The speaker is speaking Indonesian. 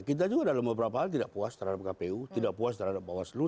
kita juga dalam beberapa hal tidak puas terhadap kpu tidak puas terhadap bawaslu